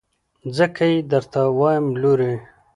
څنګه يې درته ووايم لورې.